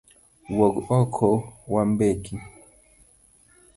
Wuog oko wambeki